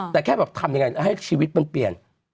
แต่แกก็ทำอย่างไงให้ชีวิตเปลี่ยน